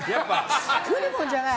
作るもんじゃない。